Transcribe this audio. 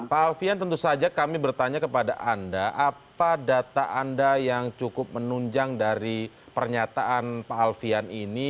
pak alfian tentu saja kami bertanya kepada anda apa data anda yang cukup menunjang dari pernyataan pak alfian ini